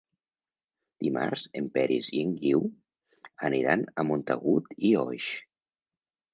Dimarts en Peris i en Guiu aniran a Montagut i Oix.